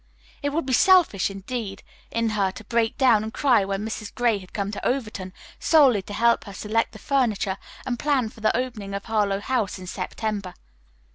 It would be selfish, indeed, in her to break down and cry when Mrs. Gray had come to Overton solely to help her select the furniture and plan for the opening of Harlowe House in September.